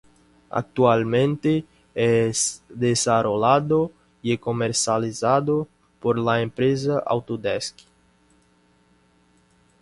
Actualmente es desarrollado y comercializado por la empresa Autodesk.